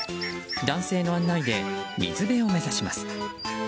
男性の案内で水辺を目指します。